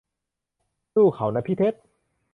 สู้เค้านะพี่เท็ด